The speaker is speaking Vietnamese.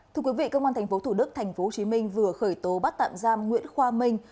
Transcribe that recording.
thưa quý vị công an tp thủ đức tp hcm vừa khởi tố bắt tạm giam nguyễn khoa minh